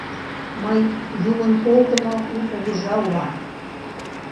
Мый Юмын колтымо у Кугыжа улам.